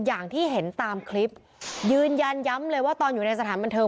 อย่างที่เห็นตามคลิปยืนยันย้ำเลยว่าตอนอยู่ในสถานบันเทิง